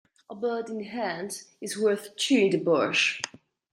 A bird in the hand is worth two in the bush.